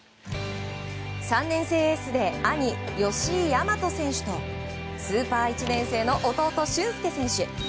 ３年生エースで兄・吉居大和選手とスーパー１年生の弟・駿恭選手。